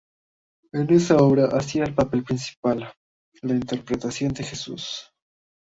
En esa obra hacía el papel principal, la interpretación de Jesús.